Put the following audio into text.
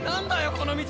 この道！